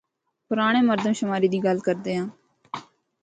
پرانڑے مردم شماری دی گل کردے آں۔